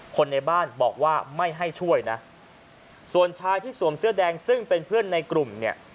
คนในบ้านบอกว่าไม่ให้ช่วยนะส่วนชายที่สวมเสื้อแดงซึ่งเป็นเพื่อนในกลุ่มเนี่ย